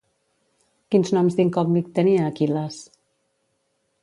Quins noms d'incògnit tenia Aquil·les?